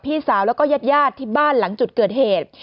พี่สาวแล้วก็ญาติญาติที่บ้านหลังจุดเกิดเหตุ